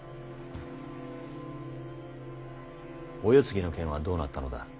お世継ぎの件はどうなったのだ？